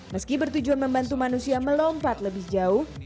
meski bertujuan membantu manusia melompat lebih jauh